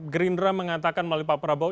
gerindra mengatakan melalui pak prabowo